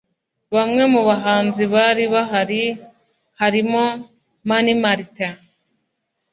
Bamwe mu bahanzi bari bahari harimo Mani Martin